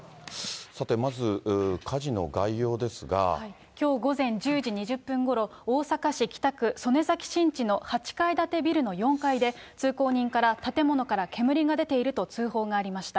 さてまず火事の概要きょう午前１０時２０分ごろ、大阪市北区曽根崎新地の８階建てビルの４階で、通行人から建物から煙が出ていると通報がありました。